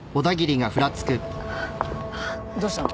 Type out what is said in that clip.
どうしたの？